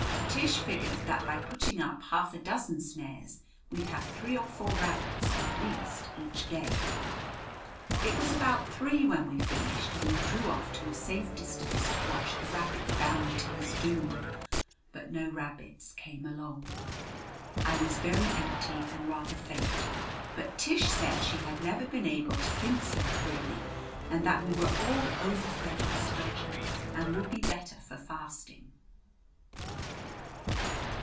Tish figured that by putting up half a dozen snares we'd have three or four rabbits at least each day. It was about three when we finished, and we drew off to a safe distance to watch the rabbit bound to his doom. But no rabbits came along. I was very empty and rather faint, but Tish said she had never been able to think so clearly, and that we were all overfed and stodgy and would be better for fasting.